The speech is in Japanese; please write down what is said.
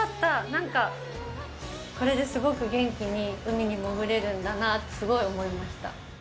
なんか、これですごく元気に海に潜れるんだなってすごい思いました。